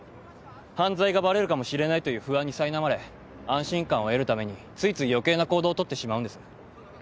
犯罪がバレるかもしれないという不安にさいなまれ安心感を得るためについつい余計な行動を取ってしまうんです。